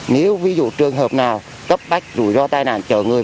nếu ví dụ trường hợp nào cấp bách rủi ro tai nạn chở người